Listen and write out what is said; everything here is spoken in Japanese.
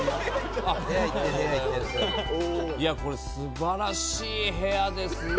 素晴らしい部屋ですね。